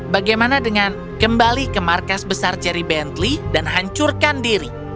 bagaimana dengan kembali ke markas besar jerry bentley dan hancurkan diri